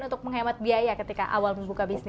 untuk menghemat biaya ketika awal membuka bisnis